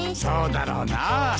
そうだろうなぁ。